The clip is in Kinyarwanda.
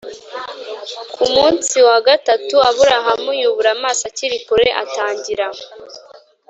Ku munsi wa gatatu Aburahamu yubura amaso akiri kure atangira